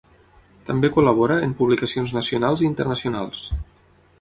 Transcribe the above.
També col·labora en publicacions nacionals i internacionals.